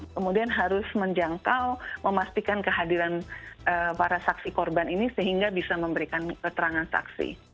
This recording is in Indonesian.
kemudian harus menjangkau memastikan kehadiran para saksi korban ini sehingga bisa memberikan keterangan saksi